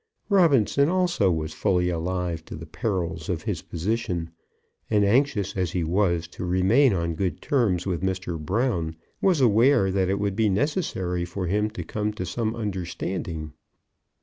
Robinson also was fully alive to the perils of his position, and anxious as he was to remain on good terms with Mr. Brown, was aware that it would be necessary for him to come to some understanding.